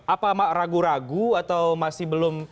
apa ragu ragu atau masih belum